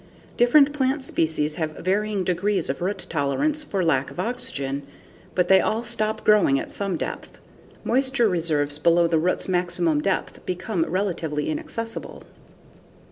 Different plant species have varying degrees of root tolerance for lack of oxygen, but they all stop growing at some depth. Moisture reserves below the roots' maximum depth become relatively inaccessible.